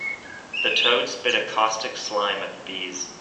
The toad spit a caustic slime at the bees.